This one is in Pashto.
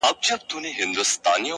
له څو خوښيو او دردو راهيسي ـ